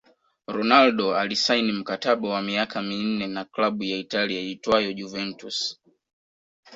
Ronaldo alisaini mkataba wa miaka minne na klabu ya Italia iitwayo Juventus